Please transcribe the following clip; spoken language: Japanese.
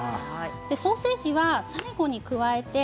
ソーセージは最後に加えて。